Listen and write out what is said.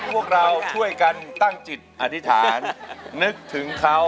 พวกเราช่วยกันตั้งจิตอธิษฐานนึกถึงเขา